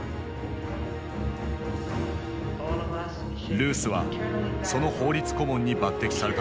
ルースはその法律顧問に抜てきされたのだ。